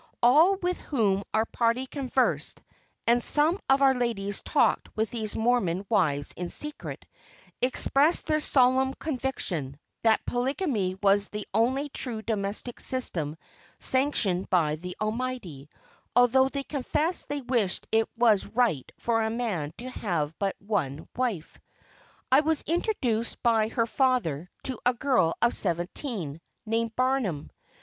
All with whom our party conversed (and some of our ladies talked with these Mormon wives in secret), expressed their solemn conviction, that polygamy was the only true domestic system sanctioned by the Almighty, although they confessed they wished it was right for a man to have but one wife. I was introduced by her father to a girl of seventeen, named Barnum.